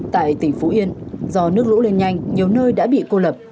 tại tỉnh phú yên do nước lũ lên nhanh nhiều nơi đã bị cô lập